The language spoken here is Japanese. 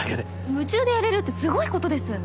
夢中でやれるってすごいことです。